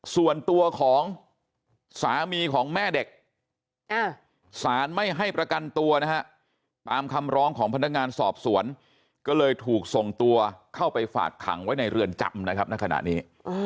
ส่วนตัวของสามีของแม่เด็กสารไม่ให้ประกันตัวนะฮะตามคำร้องของพนักงานสอบสวนก็เลยถูกส่งตัวเข้าไปฝากขังไว้ในเรือนจำนะครับในขณะนี้